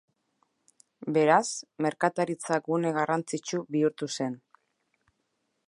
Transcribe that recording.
Beraz, merkataritza-gune garrantzitsu bihurtu zen.